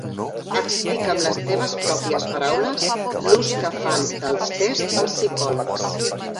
Explica amb les teues pròpies paraules l'ús que fan dels tests els psicòlegs.